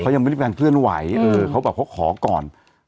ยังไม่ได้มีการเคลื่อนไหวเออเขาแบบเขาขอก่อน